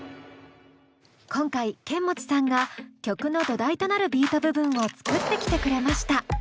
今回ケンモチさんが曲の土台となるビート部分を作ってきてくれました。